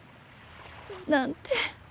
なんて